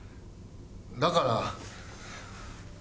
だから。